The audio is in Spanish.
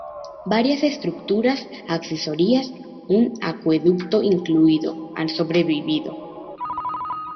Varias estructuras accesorias, un acueducto incluido, han sobrevivido.